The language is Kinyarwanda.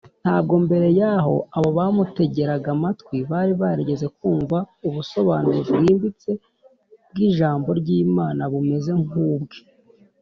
ntabwo mbere y’aho abo bamutegeraga amatwi bari barigeze kumva ubusobanuro bwimbitse bw’ijambo ry’imana bumeze nk’ubwe